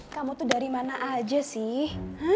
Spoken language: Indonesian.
kamu tuh dari mana aja sih